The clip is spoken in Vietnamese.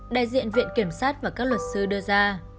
đại diện viện kiểm sát và các luật sư đưa ra